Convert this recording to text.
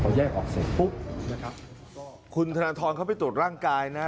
แยกออกเสร็จปุ๊บนะครับก็คุณธนทรเข้าไปตรวจร่างกายนะ